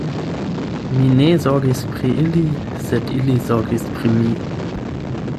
Mi ne zorgis pri ili, sed ili zorgis pri mi.